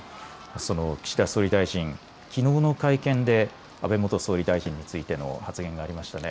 その岸田総理大臣、きのうの会見で安倍元総理大臣についての発言がありましたね。